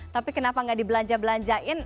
tapi kenapa nggak dibelanja belanjain